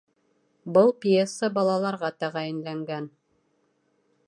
Был пьеса балаларға тәғәйенләнгән